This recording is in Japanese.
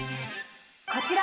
こちら！